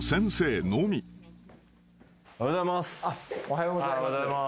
おはようございます。